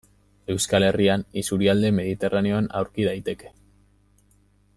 Euskal Herrian isurialde mediterraneoan aurki daiteke.